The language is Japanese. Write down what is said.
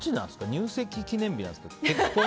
入籍記念日なんですか？